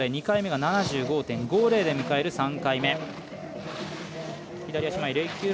２回目が７５．５０出迎える３回目。